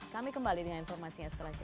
kami kembali dengan informasinya setelah jeda